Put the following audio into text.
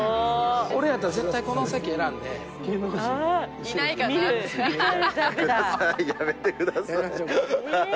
俺やったら絶対この席選んで、やめてください。